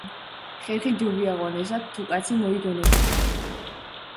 ხერხი ჯობია ღონესა თუ კაცი მოიგონებდა.